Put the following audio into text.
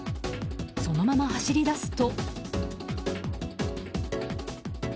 そのまま走り出すと。